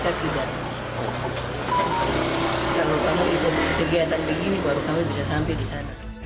kalau kamu kegiatan begini baru kami bisa sampai di sana